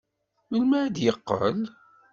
Melmi ay d-yeqqel?